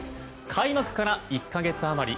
開幕から１か月余り。